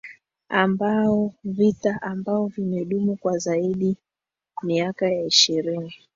ambao vita ambao vimedumu kwa zaidi miaka ya ishirini